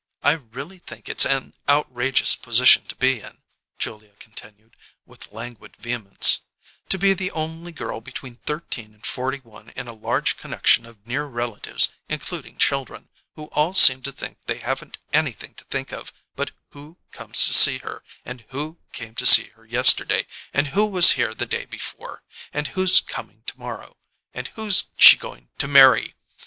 I really think it's an outrageous position to be in," Julia continued, with languid vehemence "to be the only girl between thirteen and forty one in a large connection of near relatives, including children, who all seem to think they haven't anything to think of but Who comes to see her, and Who came to see her yesterday, and Who was here the day before, and Who's coming to morrow, and Who's she going to marry!